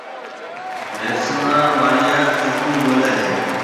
نيلسن را ٻاݪيا اُردو ٻوليَ ھيََََ